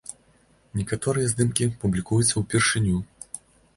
Некаторыя здымкі публікуюцца ўпершыню.